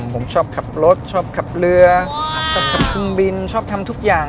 ผมชอบขับรถชอบขับเรือชอบขับเครื่องบินชอบทำทุกอย่าง